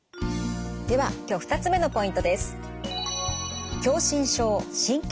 では今日２つ目のポイントです。